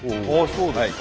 そうですか。